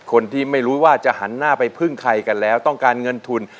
คนที่ไม่รู้ว่าจะหันหน้าไปพึ่งใครกันแล้วต้องการเงินทุน